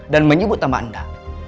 dan menyebut sama anda